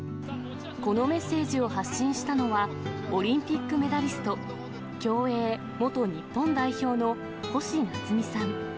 このメッセージを発信したのは、オリンピックメダリスト、競泳元日本代表の星奈津美さん。